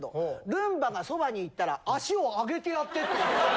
ルンバがそばに行ったら足をあげてやって」って。